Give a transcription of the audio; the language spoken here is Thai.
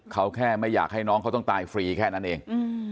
เขาแค่ไม่อยากให้น้องเขาต้องตายฟรีแค่นั้นเอง